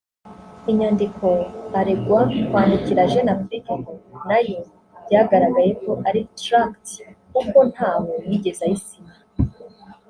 Inyandiko aregwa kwandikira JeuneAfrique ngo nayo byagaragaye ko ari ‘tract’ kuko ntaho yigeze ayisinya